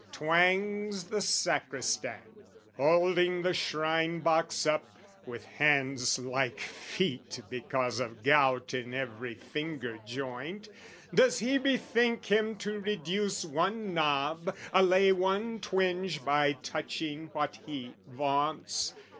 twangs the Sacristan, Holding the shrine box up, with hands like feet Because of gout in every finger joint: Does he bethink him to reduce one knob, Allay one twinge by touching what he vaunts?